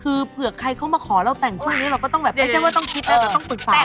คือเผื่อใครเขามาขอเราแต่งช่วงนี้เราก็ต้องแบบไม่ใช่ว่าต้องคิดนะแต่ต้องปรึกษา